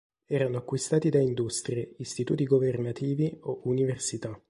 Erano acquistati da industrie, istituti governativi o università.